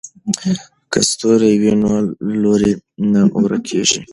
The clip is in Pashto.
که ستوری وي نو لوری نه ورکیږي.